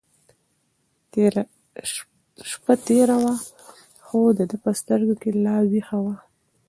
شپه تېره وه خو د ده په سترګو کې لا وېښه وه.